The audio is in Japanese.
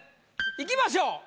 いきましょう。